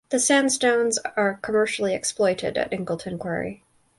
The sandstones are commercially exploited at Ingleton Quarry.